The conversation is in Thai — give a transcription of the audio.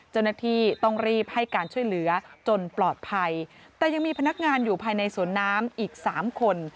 เจ้าหน้าที่ต้องรีบให้การช่วยเหลือจนปลอดภัยแต่ยังมีพนักงานอยู่ภายในสวนน้ำอีกสามคน